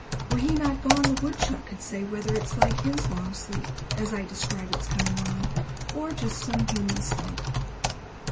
Were he not gone, The woodchuck could say whether it's like hisLong sleep, as I describe its coming on, Or just some human sleep.